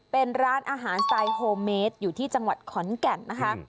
เป็นร้านอาหารสไตล์โฮเมสอยู่ที่จังหวัดขอนแก่นนะคะ